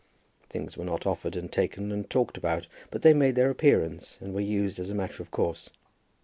Things were not offered and taken and talked about, but they made their appearance, and were used as a matter of course.